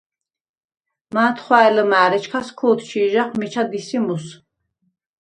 მათხუ̂ა̈ჲ ლჷმა̄̈რ, ეჩქას ქო̄თჩი̄ჟახ მიჩა დი ი მუს.